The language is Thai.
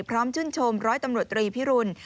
พร้อมชื่นชมร้อยตำรวจตรีพิรุณ